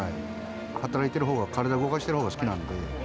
働いてるほうが、体動かしてるほうが好きなんで。